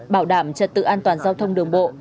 bảo đảm trật tự an toàn giao thông đường bộ